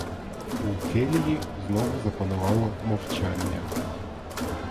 У келії знову запанувало мовчання.